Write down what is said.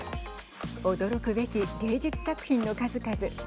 驚くべき芸術作品の数々。